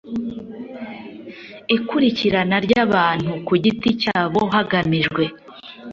Ikurikirana ry abantu ku giti cyabo hagamijwe